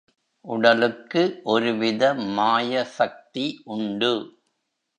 உடலுக்கு ஒரு வித மாயசக்தி உண்டு.